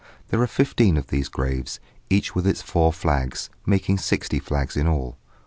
There are fifteen of these graves, each with its four flags, making sixty flags in all.